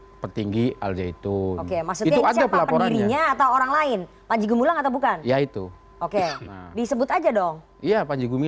hai petinggi aljaitun oke maksudnya ada laporannya atau orang lain panjigu mulang atau bukan yaitu oke